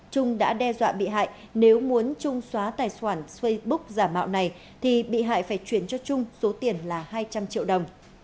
trung đã đe dọa bị hại nếu muốn trung xóa tài khoản facebook giả mạo này thì bị hại phải chuyển cho trung số tiền là hai trăm linh triệu đồng